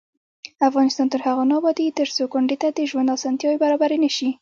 افغانستان تر هغو نه ابادیږي، ترڅو کونډې ته د ژوند اسانتیاوې برابرې نشي.